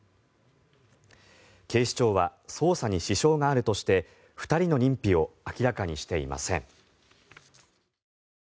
警視庁は捜査に支障があるとして２人の認否を明らかにしていません。